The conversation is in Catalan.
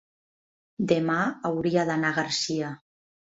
demà hauria d'anar a Garcia.